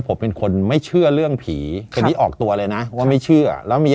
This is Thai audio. ผมเป็นคนไม่เชื่อเรื่องผีคนนี้ออกตัวเลยนะว่าไม่เชื่อแล้วมี